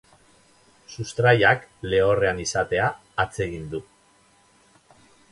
Sustraiak lehorrean izatea atsegin du.